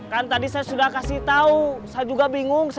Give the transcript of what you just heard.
kan tadi saya sudah kasih tau